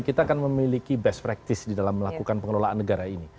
kita akan memiliki best practice di dalam melakukan pengelolaan negara ini